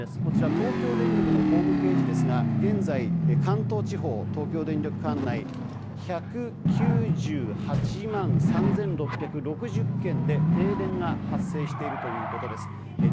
こちらは東京電力のホームページですが現在、関東地方東京電力管内１９８万３６６０軒で停電が発生しているということです。